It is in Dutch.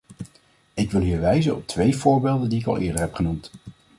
Ik wil hier wijzen op twee voorbeelden die ik al eerder heb genoemd.